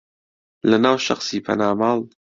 لەناو شەخسی پەنا ماڵ